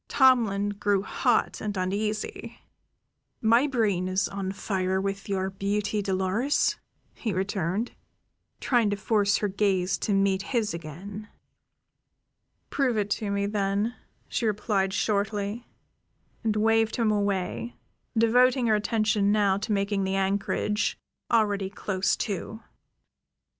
Tomlin grew hot and uneasy. "My brain is on fire with your beauty, Dolores," he returned, trying to force her gaze to meet his again. "Prove it to me, then," she replied shortly, and waved him away, devoting her attention now to making the anchorage, already close to.